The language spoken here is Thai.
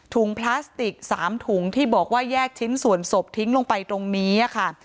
พลาสติก๓ถุงที่บอกว่าแยกชิ้นส่วนศพทิ้งลงไปตรงนี้ค่ะ